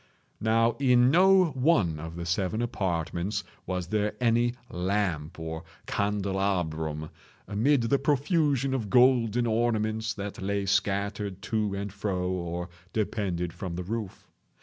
Now in no one of the seven apartments was there any lamp or candelabrum, amid the profusion of golden ornaments that lay scattered to and fro or depended from the roof.